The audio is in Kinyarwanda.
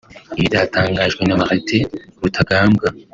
Ibi byatangajwe na Martin Rutagambwa